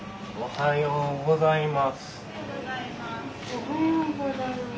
おはようございます。